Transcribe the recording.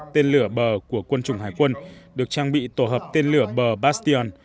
tên lửa bờ của quân chủng hải quân được trang bị tổ hợp tên lửa bờ basion